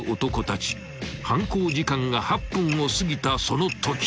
［犯行時間が８分をすぎたそのとき］